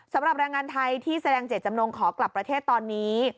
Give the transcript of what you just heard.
สำหรับแรงงานไทยที่แสดงเจตจำนงขอกลับประเทศตอนนี้